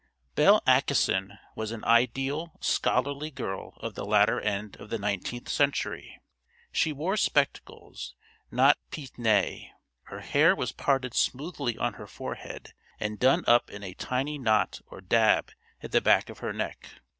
Belle Acheson was an ideal scholarly girl of the latter end of the nineteenth century. She wore spectacles, not pince nez. Her hair was parted smoothly on her forehead and done up in a tiny knot or dab at the back of her neck.